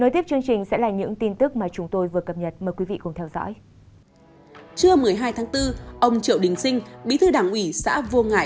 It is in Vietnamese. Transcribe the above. trưa một mươi hai tháng bốn ông triệu đình sinh bí thư đảng ủy xã vô ngại